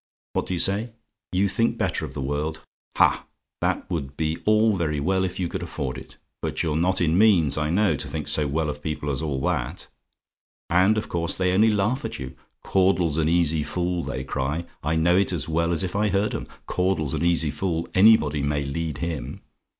What do you say? "YOU THINK BETTER OF THE WORLD? "Ha! that would be all very well if you could afford it; but you're not in means, I know, to think so well of people as all that. And of course they only laugh at you. 'Caudle's an easy fool,' they cry I know it as well as if I heard 'em 'Caudle's an easy fool; anybody may lead him.'